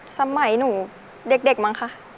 สมัยหนูเด็กมั้งคะ